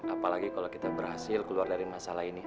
apalagi kalau kita berhasil keluar dari masalah ini